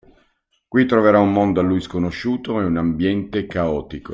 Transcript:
Qui troverà un mondo a lui sconosciuto e un ambiente caotico.